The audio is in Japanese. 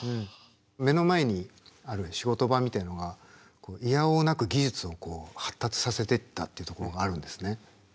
目の前にある仕事場みたいなのがいやおうなく技術を発達させてったっていうところがあるんですね。